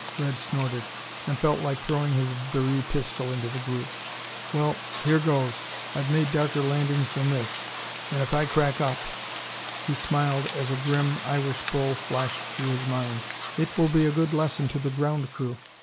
Red snorted, and felt like throwing his Very pistol into the group. "Well, here goes! I've made darker landings than this. And if I crack up " he smiled as a grim Irish bull flashed through his mind "it will be a good lesson to the ground crew.